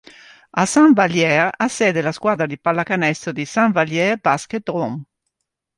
A Saint-Vallier ha sede la squadra di pallacanestro di Saint-Vallier Basket Drôme.